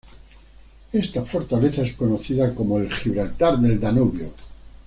Esta fortaleza es conocida como el "Gibraltar del Danubio".